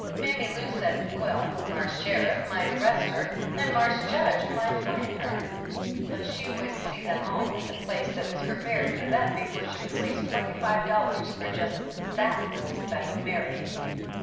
Mammy Lou said, well, Marse Sheriff might arrest her and Marse Judge might fine her, but she would see them all in the place that was prepared for them before she would waste twenty five dollars for just that little speck of marrying